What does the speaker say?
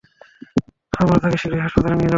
আমরা তাকে শীঘ্রই হাসপাতালে নিয়ে যাবো।